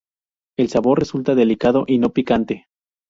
El sabor resulta delicado y no picante.